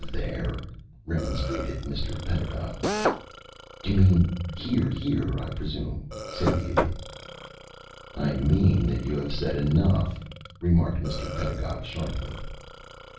there!" remonstrated Mr. Pedagog. "You mean hear! hear! I presume," said the Idiot. "I mean that you have said enough!" remarked Mr. Pedagog, sharply.